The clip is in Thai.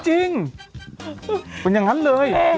จริงเป็นอย่างนั้นเลย